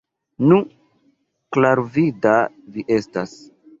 Nu, klarvida vi estas!